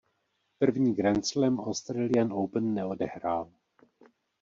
První grandslam Australian Open neodehrál.